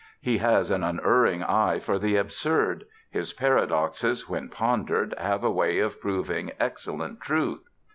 He has an unerring eye for the absurd; his paradoxes, when pondered, have a way of proving excellent truth.